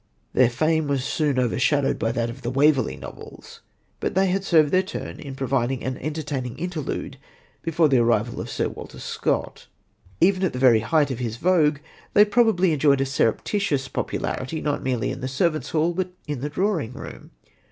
Their fame was soon overshadowed by that of the Waverley Novels, but they had served their turn in providing an entertaining interlude before the arrival of Sir Walter Scott. Even at the very height of his vogue, they probably enjoyed a surreptitious popularity, not merely in the servants' hall, but in the drawing room.